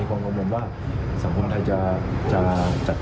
มีความเข้าบนว่าสังหวัฒนธัยจะจัดการปัญหานี้ไม่ได้